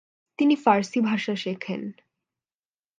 তিনি ফারসি ভাষা শেখেন।